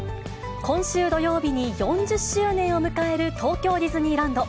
今週土曜日に４０周年を迎える東京ディズニーランド。